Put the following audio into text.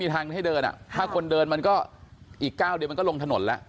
ทางให้เดินถ้าคนเดินมันก็อีก๙เดือนมันก็ลงถนนแล้ว